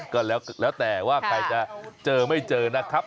ก็แล้วแต่ว่าใครจะเจอไม่เจอนะครับ